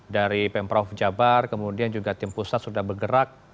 dari pemprov jabar kemudian juga tim pusat sudah bergerak